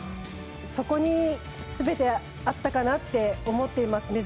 そこに、すべてあったかなと思っています。